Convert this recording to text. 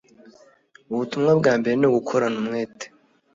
Ubutumwa bwambere nugukorana umwete.